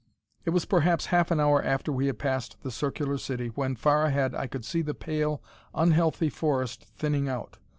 It was perhaps half an hour after we had passed the circular city when, far ahead, I could see the pale, unhealthy forest thinning out.